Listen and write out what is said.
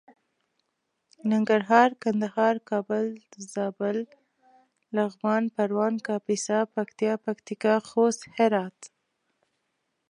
ننګرهار کندهار کابل زابل لغمان پروان کاپيسا پکتيا پکتيکا خوست هرات